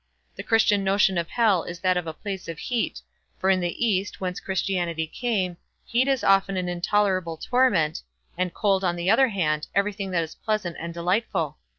The Christian notion of Hell is that of a place of heat, for in the East, whence Christianity came, heat is often an intolerable torment, and cold, on the other hand, everything that is pleasant and delightful.